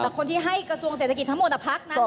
แล้วคนที่ให้กระทรวงเศรษฐกิจทั้งหมดนักภาพนั้นน่ะ